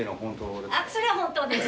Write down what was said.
それは本当です。